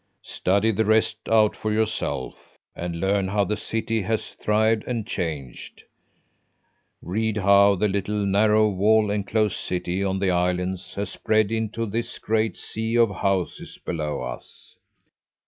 Study the rest out for yourself and learn how the city has thrived and changed. Read how the little, narrow, wall enclosed city on the islands has spread into this great sea of houses below us.